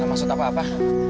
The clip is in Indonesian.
gak maksud apa apa